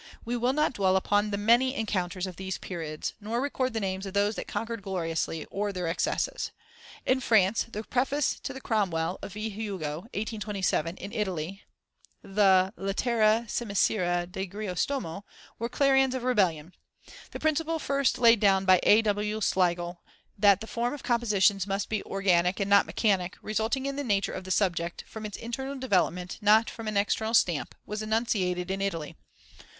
We will not dwell upon the many encounters of these periods, nor record the names of those that conquered gloriously, or their excesses. In France the preface to the Cromwell of V. Hugo (1827), in Italy the Lettera semiseria di Grisostomo, were clarions of rebellion. The principle first laid down by A.W. Schlegel, that the form of compositions must be organic and not mechanic, resulting from the nature of the subject, from its internal development not from an external stamp, was enunciated in Italy.